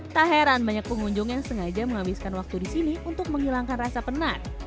tak heran banyak pengunjung yang sengaja menghabiskan waktu di sini untuk menghilangkan rasa penat